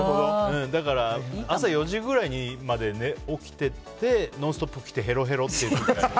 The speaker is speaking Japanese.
だから、朝４時くらいまで起きていて「ノンストップ！」来てヘロヘロという。